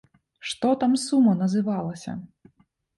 Што там сума называлася?